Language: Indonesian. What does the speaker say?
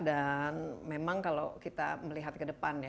dan memang kalau kita melihat ke depan ya